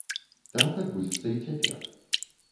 Так адбудзецца і цяпер.